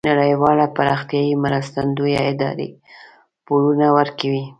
نړیوالې پراختیایې مرستندویه ادارې پورونه ورکوي.